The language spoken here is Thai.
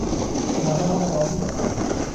ปัญหาจากสภาพแวดล้อมที่อยู่อาศัย